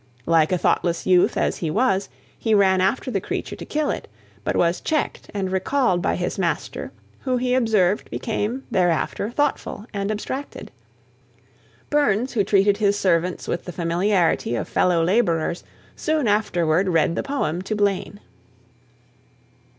Like a thoughtless youth as he was, he ran after the creature to kill it, but was checked and recalled by his master, who he observed became thereafter thoughtful and abstracted. Burns, who treated his servants with the familiarity of fellow labourers, soon afterward read the poem to Blane."